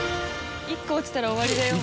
１個落ちたら終わりだよ。